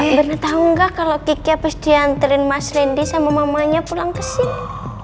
mbak mir tau gak kalo kiki habis diantriin mas rendy sama mamanya pulang kesini